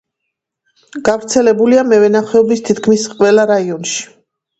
გავრცელებულია მევენახეობის თითქმის ყველა რაიონში.